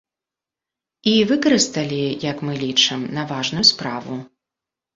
І выкарысталі, як мы лічым, на важную справу.